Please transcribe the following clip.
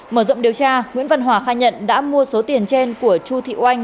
mở rộng điều tra nguyễn văn hòa khai nhận đã mua số tiền trên của chu thị oanh